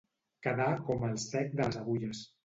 Quedar com el cec de les agulles.